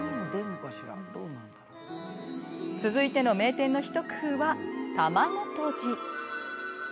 続いての名店の一工夫は卵とじ。